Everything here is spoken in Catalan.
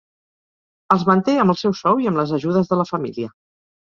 Els manté amb el seu sou i amb les ajudes de la família.